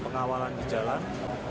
pengawalan di jalan